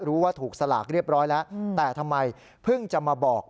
รู้ว่าถูกสลากเรียบร้อยแล้วแต่ทำไมเพิ่งจะมาบอก